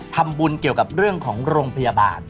ทำบุญเกี่ยวกับเรื่องของโรงพยาบาล